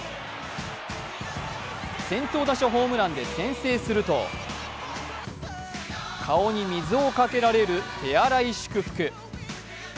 先頭打者ホームランで先制すると顔に水をかけられる手荒い祝福。